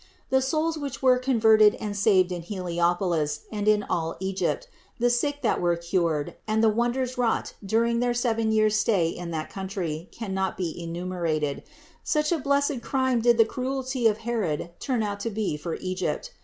The souls which were converted and saved in Heliopolis and in all Egypt, the sick that were cured, and the wonders wrought during their seven years' stay in that country, cannot be enumerated : such a blessed crime did the cruelty of Herod turn out to be for Egypt.